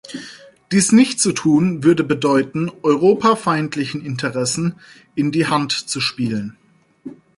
Dies nicht zu tun würde bedeuten, europafeindlichen Interessen in die Hand zu spielen.